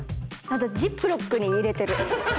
ジップロックに入れてる。